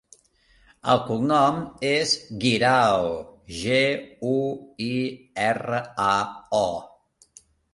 El cognom és Guirao: ge, u, i, erra, a, o.